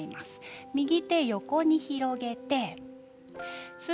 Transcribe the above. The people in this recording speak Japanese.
右手を横に広げます。